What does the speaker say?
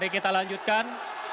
mari kita lanjutkan